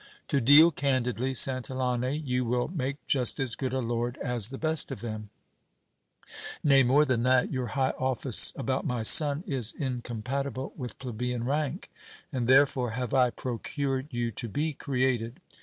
To deal candidly, Santillane, you will make just as good a lord as the best of them ; nay, more than that, your high office about my son is incompati ble with plebeian rank, and therefore have I procured you to be created.